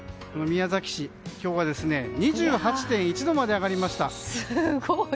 宮崎市、今日は２８．１度まで上がりました。